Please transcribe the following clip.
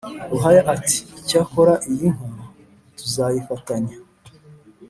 Ruhaya Iti: "Icyakora iyi nka tuzayifatanya"